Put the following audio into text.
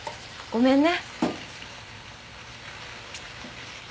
ごめんね。